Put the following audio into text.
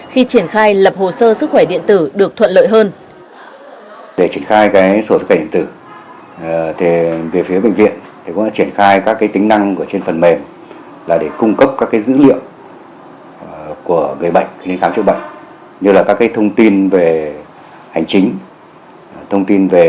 khi triển khai lập hồ sơ sức khỏe điện tử được thuận lợi hơn